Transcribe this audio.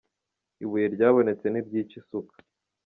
Ibuye ryabonetse ntiryica isuka.